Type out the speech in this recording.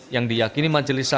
yang diyakini majelis sakit